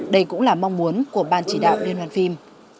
đây cũng là mong muốn của ban chỉ đạo liên hoàn phim